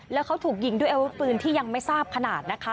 แล้วเขาถูกยิงด้วยอาวุธปืนที่ยังไม่ทราบขนาดนะคะ